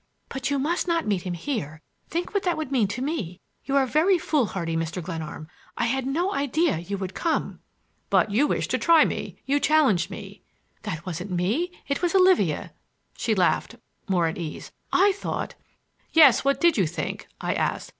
"But you must not meet him here! Think what that would mean to me! You are very foolhardy, Mr. Glenarm. I had no idea you would come—" "But you wished to try me,—you challenged me." "That wasn't me,—it was Olivia," she laughed, more at ease, "I thought—" "Yes, what did you think?" I asked.